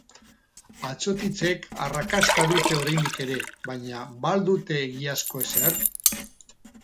Atsotitzek arrakasta dute oraindik ere, baina ba al dute egiazko ezer?